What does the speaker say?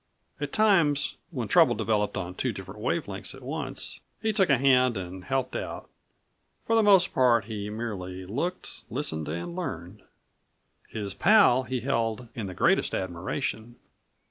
At times when trouble developed on two different wave lengths at once, he took a hand and helped out. For the most part he merely looked, listened and learned. His pal he held in the greatest admiration.